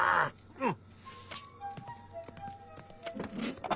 うん。